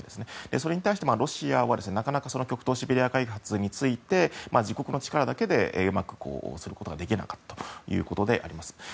それに対して、ロシアは極東シベリア開発について自国の力だけでうまくすることができなかったということです。